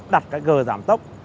đặt cái gờ giảm tốc